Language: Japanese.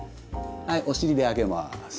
はいお尻で上げます。